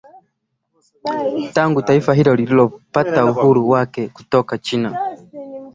tangu taifa hilo lilipopata uhuru wake kutoka china